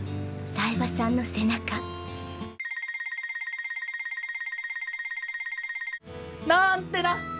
冴羽さんの背中。なんてな！